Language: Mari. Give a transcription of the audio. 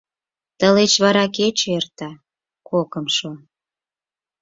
Тылеч вара кече эрта, кокымшо...